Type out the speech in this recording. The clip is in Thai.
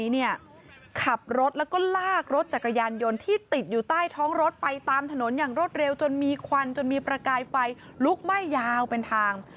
ขับรถแล้วก็ลากรถจักรยานยนต์ที่ติดอยู่ใต้ท้องรถไปตามถนนอย่างรวดเร็วจนมีควันจนมีประกายไฟลุกไหม้ยาวเป็นทาง